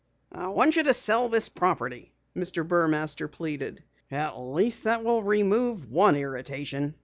"I want you to sell this property," Mr. Burmaster pleaded. "At least that will remove one irritation.